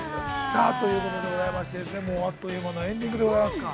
さあ、ということでございまして、あっという間のエンディングでございますか。